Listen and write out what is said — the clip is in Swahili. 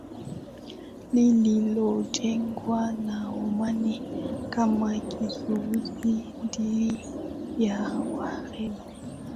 lililojengwa na Omani kama kizuizi dhidi ya Wareno